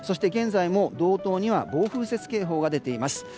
現在も道東には暴風雪警報が出ています。